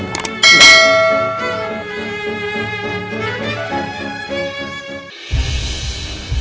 selamat siang mbak